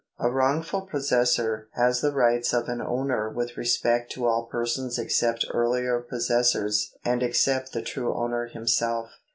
A wrongful possessor has the rights of an owner with respect to all persons except earlier possessors and except the true owner himself.